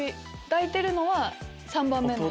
抱いてるのは３番目の。